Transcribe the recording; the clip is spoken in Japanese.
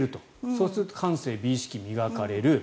そうすると感性、美意識が磨かれる。